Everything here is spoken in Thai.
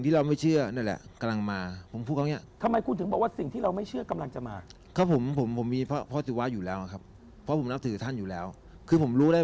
เขาตื่นครับแล้วเขางงตัวเองว่าอะไรอย่างนี้